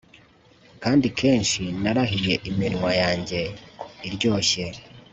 kandi akenshi narahiye iminwa yanjye iryoshye